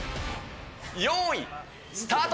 よーい、スタート。